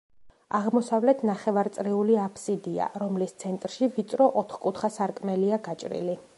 აღმოსავლეთ ნახევარწრიული აფსიდია, რომლის ცენტრში ვიწრო, ოთხკუთხა სარკმელია გაჭრილი.